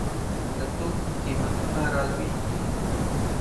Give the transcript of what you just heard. د توکو قیمتونه رالویږي.